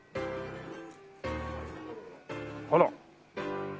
あら。